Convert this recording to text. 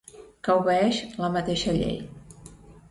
Que obeeix la mateixa llei.